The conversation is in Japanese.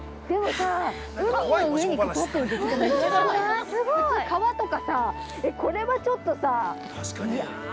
普通、川とかさ、これはちょっとさ。